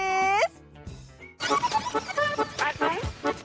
นี่คือ